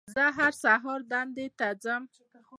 زه هر سهار دندې ته ځم